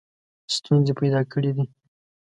ستونزې پیدا کړي دي.